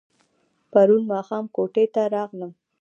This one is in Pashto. پرون ماښام کوټې ته راغلم.